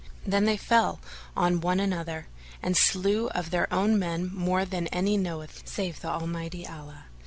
Then they fell on one another and slew of their own men more than any knoweth save Almighty Allah.